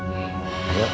bu ada yang selalu duduk